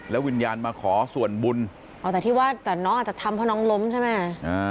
วิญญาณมาขอส่วนบุญอ๋อแต่ที่ว่าแต่น้องอาจจะทำเพราะน้องล้มใช่ไหม